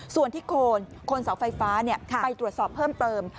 ส่วนที่โคนเสาไฟฟ้าไปตรวจสอบเพิ่มเติม